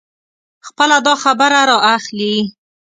خپله داخبره را اخلي.